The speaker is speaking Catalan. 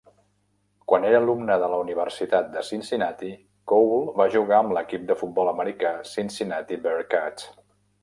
Quan era alumne de la Universitat de Cincinnati, Cole va jugar amb l"equip de futbol americà Cincinnati Bearcats.